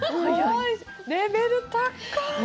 レベル高い！